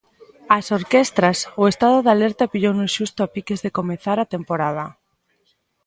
Ás orquestras, o estado de alerta pillounos xusto a piques de comezar a temporada.